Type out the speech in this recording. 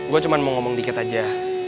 gue cuma mau ngomong dikit aja